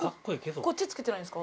こっち着けてないんですか？